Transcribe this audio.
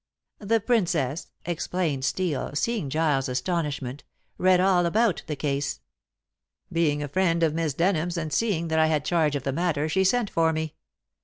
"The Princess," explained Steel, seeing Giles' astonishment, "read all about the case. Being a friend of Miss Denham's and seeing that I had charge of the matter, she sent for me.